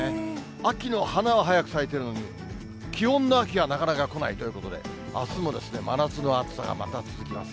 秋の花は早く咲いているのに、気温の秋がなかなか来ないということで、あすもですね、真夏の暑さがまた続きます。